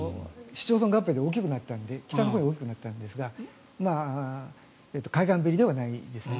市町村合併で大きくなったので北のほうに大きくなったんですが海岸べりではないですね。